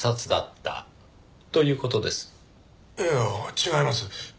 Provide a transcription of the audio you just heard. いや違います。